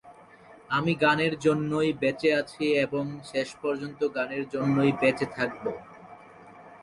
আমি গানের জন্যই বেঁচে আছি এবং শেষ পর্যন্ত গানের জন্যই বেঁচে থাকব।